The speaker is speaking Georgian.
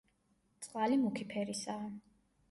წყალი მუქი ფერისაა.